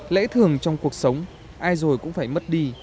lễ thường trong cuộc sống ai rồi cũng phải mất đi